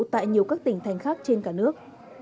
tại nhiều các tỉnh thành khác trên cả nước